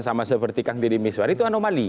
sama seperti kang deddy miswar itu anomali